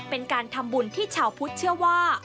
เป็นการทำบุญที่ชาวพุทธเชื่อว่า